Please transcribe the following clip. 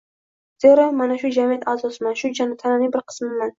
zero, men shu jamiyat a’zosiman, shu tananing bir qismiman